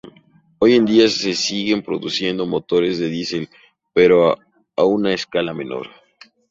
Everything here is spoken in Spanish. Hoy en día se siguen produciendo motores de diesel pero a una escala menor.